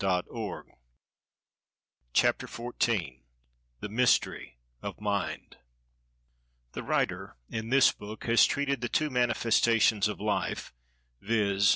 [Pg 200] CHAPTER XIV THE MYSTERY OF MIND THE writer, in this book, has treated the two manifestations of Life, viz.